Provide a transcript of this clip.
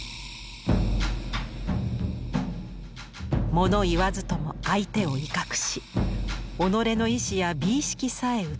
もの言わずとも相手を威嚇し己の意思や美意識さえ映し出す。